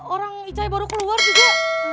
orang icai baru keluar juga